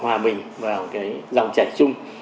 hòa bình vào cái dòng trải chung